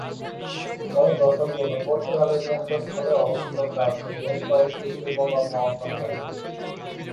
ঐ দশকগুলোয় পর্তুগালের কেন্দ্রস্থলে অবস্থিত চার্চে বেশ কয়েকটি শিল্পকর্ম অঙ্কন করেন।